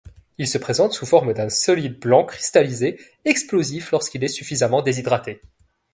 Il se présente sous forme d'un solide blanc cristallisé, explosif lorsqu'il est suffisamment déshydraté.